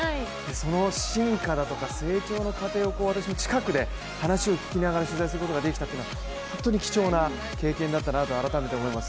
その進化だとか成長の過程を私は近くで話を聞きながら取材することができたというのは、本当に貴重な経験だったなと、改めて思います。